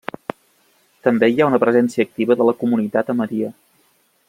També hi ha una presència activa de la comunitat ahmadia.